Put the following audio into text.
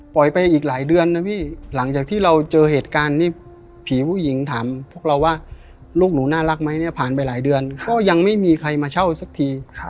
ไปอีกหลายเดือนนะพี่หลังจากที่เราเจอเหตุการณ์นี้ผีผู้หญิงถามพวกเราว่าลูกหนูน่ารักไหมเนี่ยผ่านไปหลายเดือนก็ยังไม่มีใครมาเช่าสักที